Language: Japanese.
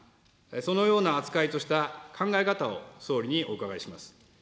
そのような扱いとした考え方を総理にお伺いします。